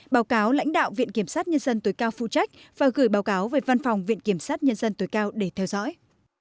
báo cáo lãnh đạo viện kiểm sát nhân dân tối cao phụ trách và gửi báo cáo về văn phòng viện kiểm sát nhân dân tối cao để theo dõi